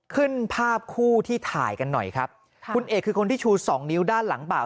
ขึ้นภาพคู่ที่ถ่ายกันหน่อยครับค่ะคุณเอกคือคนที่ชูสองนิ้วด้านหลังเปล่า